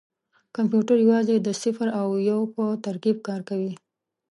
کمپیوټر یوازې د صفر او یو په ترکیب کار کوي.